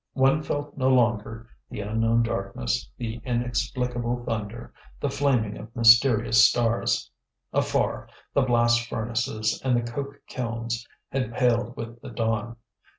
One felt no longer the unknown darkness, the inexplicable thunder, the flaming of mysterious stars. Afar, the blast furnaces and the coke kilns had paled with the dawn.